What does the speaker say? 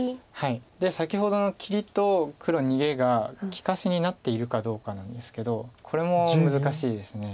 先ほどの切りと黒逃げが利かしになっているかどうかなんですけどこれも難しいです。